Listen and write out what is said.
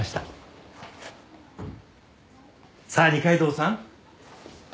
さあ二階堂さん